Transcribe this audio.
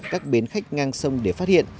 các bến khách ngang sông để phát hiện